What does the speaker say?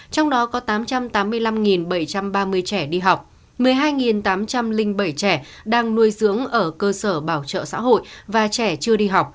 trong đó có tám trăm tám mươi năm bảy trăm ba mươi trẻ đi học một mươi hai tám trăm linh bảy trẻ đang nuôi dưỡng ở cơ sở bảo trợ sản xuất